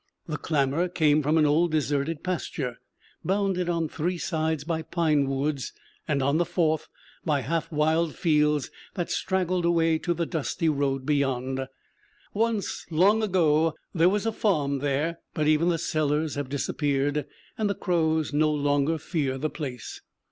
The clamor came from an old deserted pasture, bounded on three sides by pine woods, and on the fourth by half wild fields that straggled away to the dusty road beyond. Once, long ago, there was a farm there; but even the cellars have disappeared, and the crows no longer fear the place.